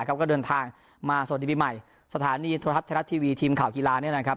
ก็เดินทางมาส่วนดีปีใหม่สถานีโทรธัศน์เทศทีวีทีมข่าวกีฬา